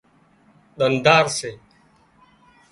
ۮنڌار سي